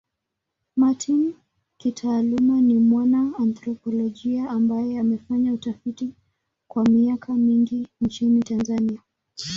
Martin kitaaluma ni mwana anthropolojia ambaye amefanya utafiti kwa miaka mingi nchini Tanzania.